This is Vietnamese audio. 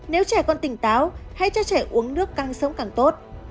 nếu trẻ còn tỉnh táo hãy cho trẻ uống nước căng sống càng tốt